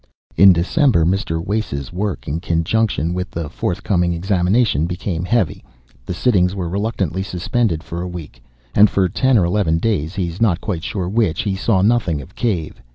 In December Mr. Wace's work in connection with a forthcoming examination became heavy, the sittings were reluctantly suspended for a week, and for ten or eleven days he is not quite sure which he saw nothing of Cave.